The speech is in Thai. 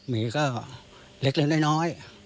หมีก็เล็กน้อย